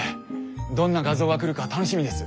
どんな画像が来るか楽しみです。